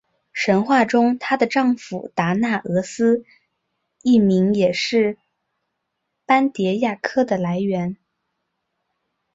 神话中她的丈夫达那俄斯一名也是斑蝶亚科的来源。